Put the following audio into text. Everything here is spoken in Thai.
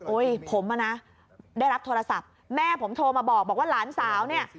ผมอ่ะนะได้รับโทรศัพท์แม่ผมโทรมาบอกว่าหลานสาวเนี่ย